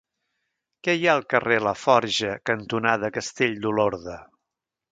Què hi ha al carrer Laforja cantonada Castell d'Olorda?